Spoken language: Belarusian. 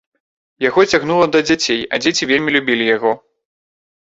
Яго цягнула да дзяцей, а дзеці вельмі любілі яго.